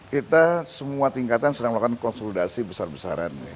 kita semua tingkatan sedang melakukan konsolidasi besar besaran